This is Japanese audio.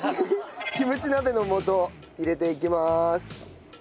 キムチ鍋の素入れていきます。